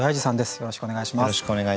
よろしくお願いします。